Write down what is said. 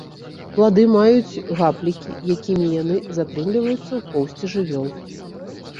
Плады маюць гаплікі, якімі яны затрымліваюцца ў поўсці жывёл.